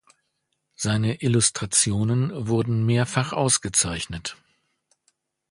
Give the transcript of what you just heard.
Seine Illustrationen wurden mehrfach ausgezeichnet.